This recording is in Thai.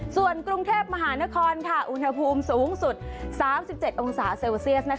ส่วนกรุงเทพมหานครอุณหภูมิสูงสุด๓๗องศาเซลเซียส